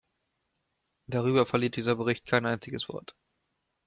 Darüber verliert dieser Bericht kein einziges Wort.